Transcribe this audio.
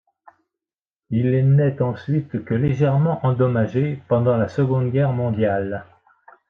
Il n'est ensuite que légèrement endommagé pendant la seconde guerre mondiale.